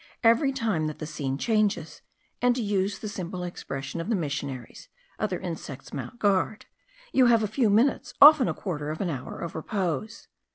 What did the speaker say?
Every time that the scene changes, and, to use the simple expression of the missionaries, other insects mount guard, you have a few minutes, often a quarter of an hour, of repose.